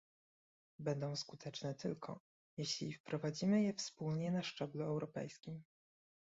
będą skuteczne tylko, jeśli wprowadzimy je wspólnie na szczeblu europejskim